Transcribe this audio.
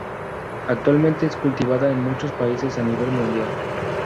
Actualmente es cultivada en muchos países a nivel mundial.